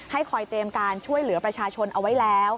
คอยเตรียมการช่วยเหลือประชาชนเอาไว้แล้ว